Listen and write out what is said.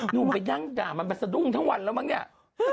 หนุ่มไปนั่งด่ามันมาสะดุ้งทั้งวันแล้วมั้งเนี่ย